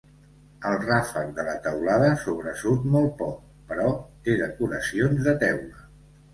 El ràfec de la teulada sobresurt molt poc, però té decoracions de teula.